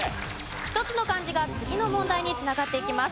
１つの漢字が次の問題に繋がっていきます。